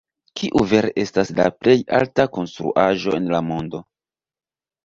Kiu vere estas la plej alta konstruaĵo en la mondo?